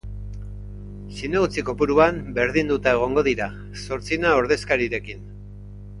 Zinegotzi kopuruan berdinduta egongo dira, zortzina ordezkarirekin.